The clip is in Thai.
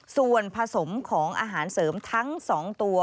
ส่วนผสมของอาหารเสริมทั้ง๒ตัว